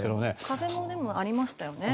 風もありましたよね。